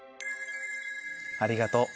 「ありがとう」。